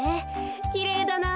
きれいだなぁ。